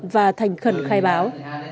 và thành khẩn khai báo